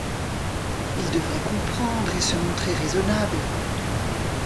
Il devait comprendre et se montrer raisonnable.